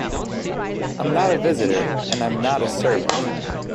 ‘I’m not a visitor, and I’m not a servant.